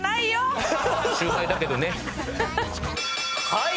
はい。